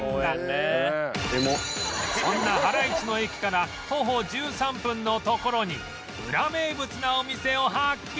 そんな原市の駅から徒歩１３分の所にウラ名物なお店を発見！